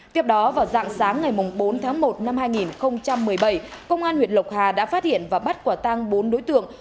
tiếp đó vào dạng sáng ngày bốn tháng một năm hai nghìn một mươi bảy công an huyện lộc hà đã phát hiện và bắt quả tăng bốn đối tượng